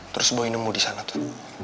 terus boy nemu di sana tuh